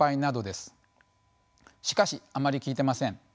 しかしあまり効いてません。